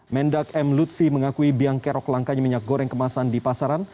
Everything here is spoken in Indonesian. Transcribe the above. mendak m lutfi mengakui biang kerok langkanya minyak goreng kemasan di pasaran